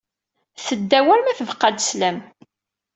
Tedda war ma tbeqqa-d sslam.